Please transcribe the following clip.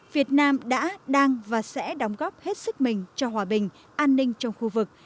việt nam đã đang và sẽ đóng góp hết sức mình cho hòa bình an ninh trong khu vực